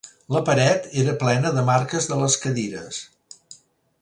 La paret era plena de marques de les cadires.